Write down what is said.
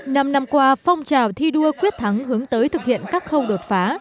năm năm qua phong trào thi đua quyết thắng hướng tới thực hiện các khâu đột phá